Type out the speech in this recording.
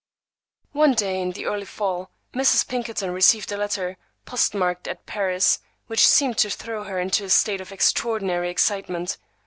One day in the early fall, Mrs. Pinkerton received a letter postmarked at Paris, which seemed to throw her into a state of extraordinary excitement.